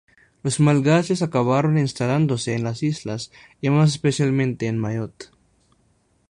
Los malgaches acabaron instalándose en las islas y más especialmente en Mayotte.